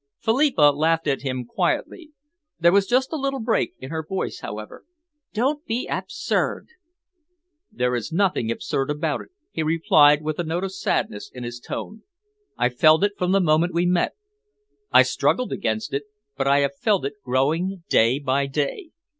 Philippa laughed at him quietly. There was just a little break in her voice, however. "Don't be absurd!" "There is nothing absurd about it," he replied, with a note of sadness in his tone. "I felt it from the moment we met. I struggled against it, but I have felt it growing day by day.